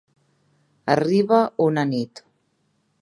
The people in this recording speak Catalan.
Arriba una nit.